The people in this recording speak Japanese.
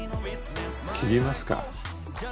切りますか。